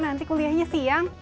nanti kuliahnya siang